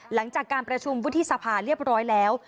หลังจากการประชุมวุฒิสภาเรียบร้อยแล้ว